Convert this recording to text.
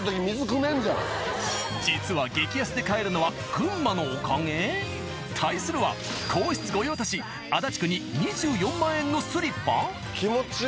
実は激安で買えるのは群馬のおかげ？対するは、皇室御用達足立区に２４万円のスリッパ？